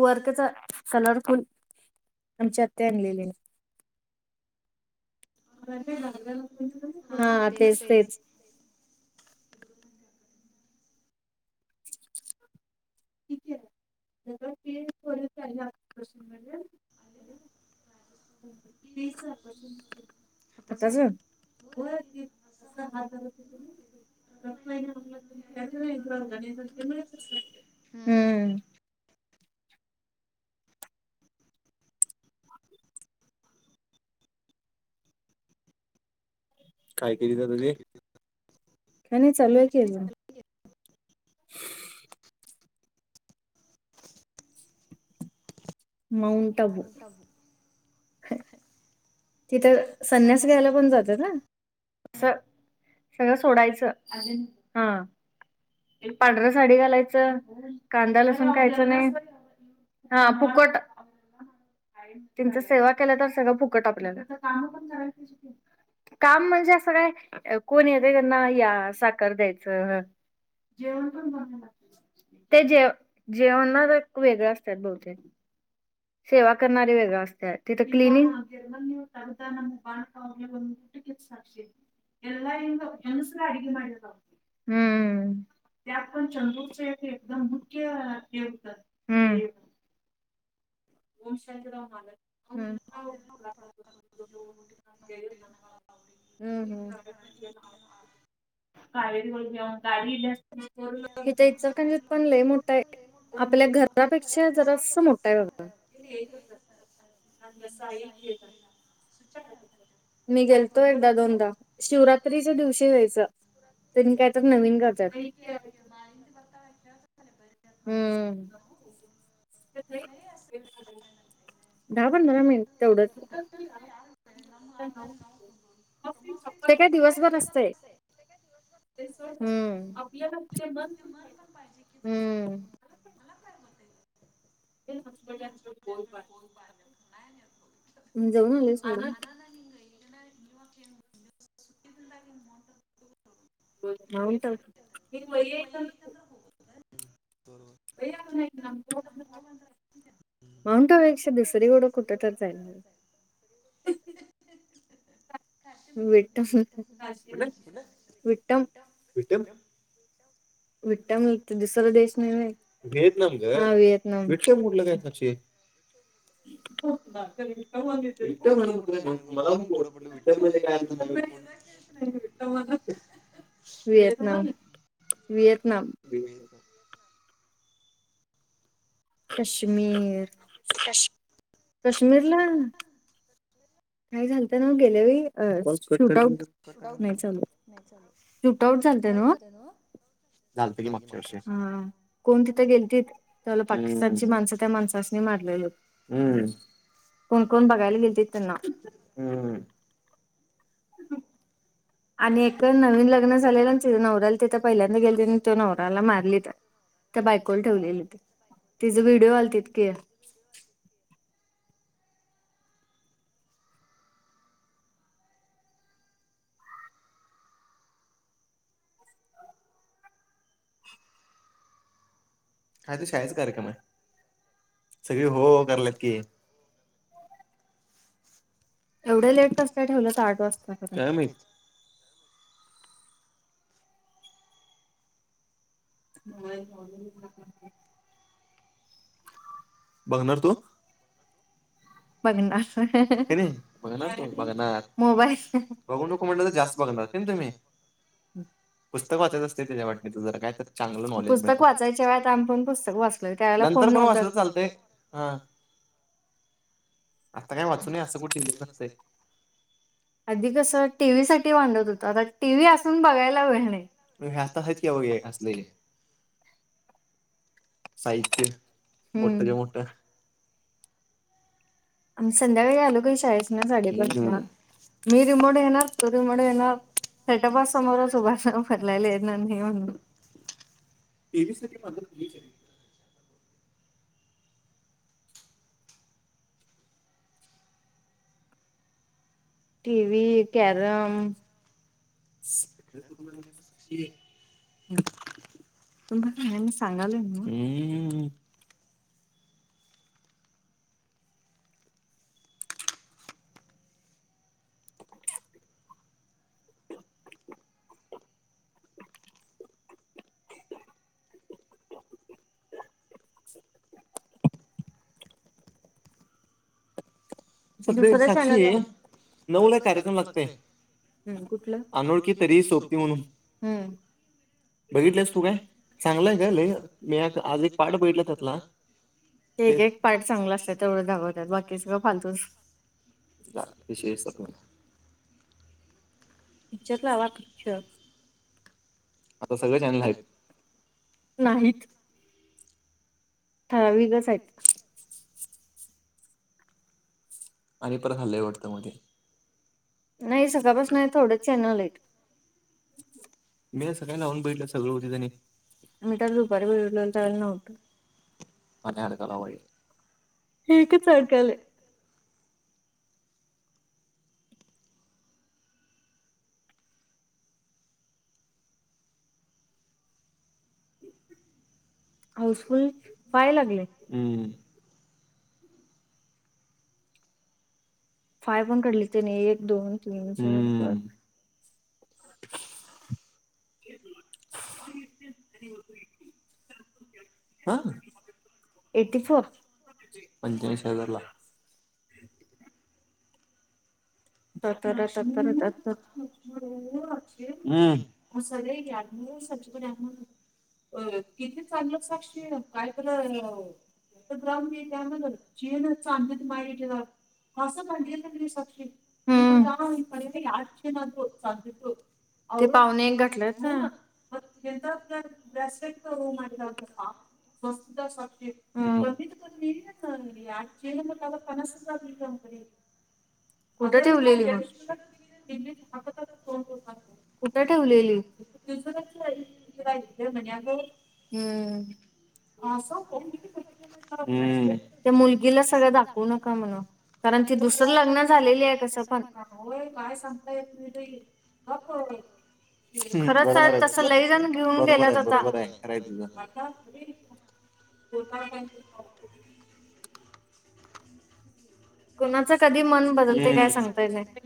वर्कचा colourful. आमची आत्ती आणलेली. हा तेच तेच, ठीक आहे. ती आ [unintelligible] [unintelligible] हाताचं होय ती अस हात धरत होती ना ती. हम्म. काय केलीच तुझे. काय नाही चालू आहे की. मऊ माऊंट आबु तिथं संन्यास घ्यायला पण जात्यात हा. अस सगळं सोडायचं हा. पांढर साडी घालायचं. कांदा लसुण खायचं नाही हा. फुकट त्यानच सेवा केल्या तर सगळं फुकट आपल्याला काम म्हणजे असं काय कोण येतंय त्यांना या, साखर द्यायचं. ते जेव जेवणार वेगळं असतात बहुतेक. सेवा करणारे वेगळं असते. तिथं क्लिनिंग साक्षी एंग एस अडिक महिड हम् त्यात पण चंद्रोस एकदम मुख्य हे होतात. हम्म [unintelligible] एला उपड [unintelligible] म्म हम्म. कावेरी घेऊन गाडी जा अस पण ल मोठाय घरापेक्षा जरा मो ते एकेतप नम रस आहेई खेला श सु्ता य पत मी गण शिवरात्रीच्या दिवशी जायच कायच नवीन. [unintelligible] बाळींचे पत्ता [unintelligible] हम्म दहा पंधरा मिनिट तेवढच ते काय दिवसभर नसतयं. हम् आपल्या हम्म मला करमत नाही. ज ना हचप पेडू कोय पार नाही. हिंगवाक सु मोट [unintelligible] ह ना उनटल हिंग वय यतंद्र हत ते नाही [unintelligible] माउंट अवरीची दुसरी गोडं कुठ तर जायला ह [inaudible] कुठलं विठक [unintelligible] वाठाम दुसरा देश नाही होय व्हिएतनाम गं विठ्ठम कुठलं काय साक्षी. विठम आणि काय कुठलं नवीन आणि मला पण कोड पडलंय तर म्हणजे काय आता नवी कोण. [unintelligible] [unintelligible] काश्मीरला काय झालत ना गेल्या वेळी? नाही चालू शूट आउट झालत नव्हं. कोण तिथं गेलतीत त्यावेळी पाकिस्तानची माणसं त्या माणसा त्यासनी मारलेलीत ह्म कोण कोण बघायला गेलतीत त्यांना ह्म [unintelligible] आणि एक नवीन लग्न झालेलं तिथ नवऱला तिथं पहिल्यांदा गेलतीत तो नवराला मारलीत त्या बायकोला ठेवलेलीत तिचं व्हिडिओ आलत की काय तर शाळेत कार्यक्रम आहे सगळी हो हो कराल्यात की एवढं लेट कंस काय ठेवल्यात आठ वाजता. [unintelligible] बघणार तू [unintelligible] बघणार नाही नाही बघणार फोन बघणार मोबाईल बघून नको म्हटलं तर जास्त बघणार. केलतं मी पुस्तक वाचायच असतंय त्याच्यावाटणीचं जरा काय तर चांगलं नोलेज मिळतंय पुस्तक वाचायच्या वेळा आम्ही पण पुस्तक वाचलंय. नंतर पण वाचल तर चालतंय हा. आता काय वाचू नये असं कुठं नसतंय. आधी कस टीव्ही साठी भांडत होतावं आता टीव्ही असून बघायला वेळ नाही. आता आहेचं की बघ असलं हे. साहित्य मोठच्या मोठं आम्ही संध्याकाळी आलो कणी शाळेसन साडेपाचला मी रिमोट घेणार तू रिमोट घेणार सेटोबाॅकस समोरच उंभ सम फडलायला [inaudible] टीव्ही भांडणारी तुम्हीच टीव्ही कॅरम काय करून आली गं साक्षी कोण तर आहे म्हणून सांगालोय नव्हं ह्म. [unintelligible] [inaudible] [inaudible] दुसऱ्या चॅनलवर, साक्षी, [unintelligible] नऊला कार्यक्रम लागतय. हम कुठलं, अनोळखी तरीही सोपती म्हणून, हम. बघितल्यास तू काय, चांगल आहे ग लई, मी ऐक आज एक पाठ बघितला त्यातला. एक एक पार्ट चांगलं असत्यात तेवढं दाखवत्याच बाकीच सगळ फालतूच. झालं तो विषय सपला. पिक्चर लावा पिक्चर. आता सगळं चॅनल हायत, नाहीत. ठरावीकच आहेत. आणि परत हल्लंय वाटतं म ते. नाही सकाळपासन थोडच चॅनल आहेत. मी आज सकाळी लावून बघितल्यात सगळ होतीत आणि, मी तर दुपारी बघितलो त्यावेळी नव्हतं. आणि अडकाला बा हे, एकच अडकालंय. [inaudible] हाऊसफुल फाय लागलय. फाय पण काढलीत त्यांनी एक दोन तीन चार पाच, हम्म. [inaudible] [unintelligible] हा, एटी फोर, पंचाऐंशी हजार ला. ततर ततर ततर, हम्म, म सगळी या म्हणून सगळी [unintelligible] होय किती चांगलं साक्ष काय तर, भेटत राहुदे त्याबदल. चीण चांदीत माडीदिल, [unintelligible] साक्षी. हम्म [unintelligible] ते पाहुणे गाठल्यात ना, [unintelligible] स्वस्थता साक्षी, हम्म, कमी त कमी या चीन तोल पन्नास हजार [unintelligible] कुठं ठेवलेली [unintelligible] कुठं ठेवलेली? दुसऱ्याच इथ गातलोय म्हन्या गो, हम्म. [unintelligible] त्या मुलगीला सगळं दाखवू नका म्हनाव. कारण ती दुसर लग्न झालेली आहे. कस पण, [unintelligible] काय सांगता येत नाही बई, गप्प खरच तस लई जण घेऊन गेल्यात आता. [unintelligible] [unintelligible] कुणाचं कधी मन बदलतय काय सांगता येत नाही.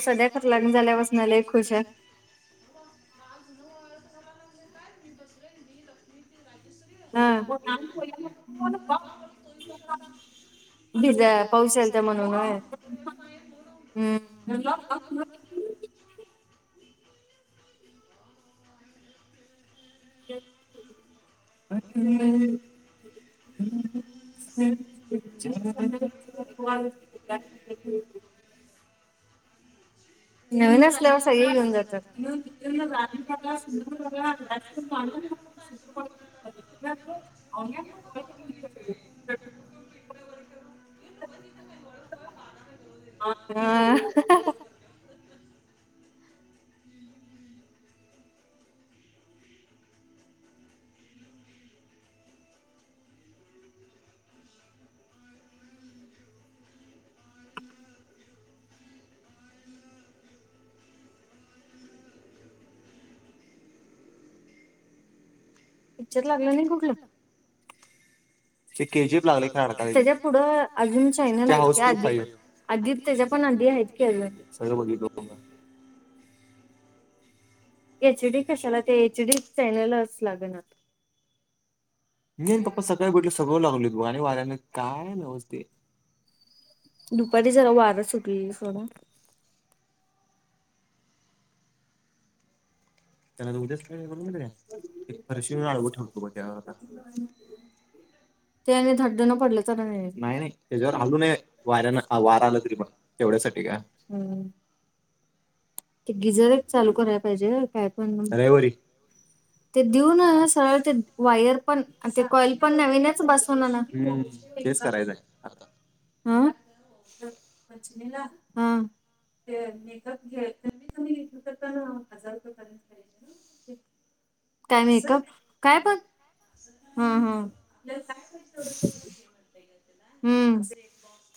तो सध्या खरं लग्न झाल्या पासन लई खुश आहे. [unintelligible] काल धून वळत घाला लागले काय ती बसलेली लक्षमी. राजश्री, हा, [unintelligible] तीज पाऊस यालता म्हणून होय [unintelligible] हम्म. [unintelligible] [unintelligible] ् [unintelligible] [unintelligible] [unintelligible] नवीन असल्यावर सगळे घेऊन जातात, राणी बाग ला, सुंदर बाग ला [unintelligible] ् [unintelligible] [unintelligible] [inaudible] [inaudible] टीलू टीलू पिक्चर लागलं नाही कुठलं ते के जीप लागले त्याच्या पुढं अजून आधी त्याच्या पण आधी आहेत की अजून एच डी कशाला ते एच डी चॅनलच लागणार नाही पप्पा सकाळ भेटले सगळव लागल बघ आणि वाऱ्याने काय नवस्ते. दुपारी जरा वार सुटलेल, सोडं. त्यांना उद्याच का एका फरशीवर आडव ठेवतो ग त्याला आता. ते आमी धड्ड न पडलं तर,, नाही नाही, त्याच्यावर हलू नये वाऱ्यान, वार आला तरी, मणऽ तेवढ्यासाठी काय,, हम्म, ते गिजर चालू करायला पाहिजे, कायऽ रविवारी ते देऊन सरळ ते वायर पण ते कॉइल पण नवीनच बसवून आण हेच करायचंय आता हा हा ते मेकअप घ कमीत कमी घेतल तर पण हजार रुपये पर्यंत काय मेकअप काय पण हम हमम्म ब